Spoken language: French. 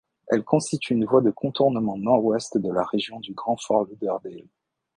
Elle constitue une voie de contournement nord-ouest de la région du grand Fort Lauderdale.